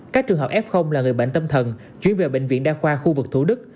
các trường hợp f là người bệnh tâm thần chuyển về bệnh viện đa khoa khu vực thủ đức